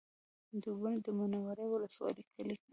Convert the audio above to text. ډبونه د منورې ولسوالۍ کلی دی